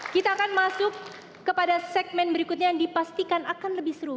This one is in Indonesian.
kita akan masuk kepada segmen berikutnya yang dipastikan akan lebih seru